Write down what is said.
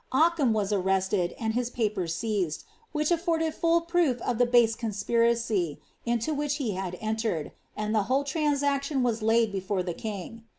'as arrested and his papers seized, which aObrded full proof ! conspiracy into which he had entered ; and the whole trans } laid before the king.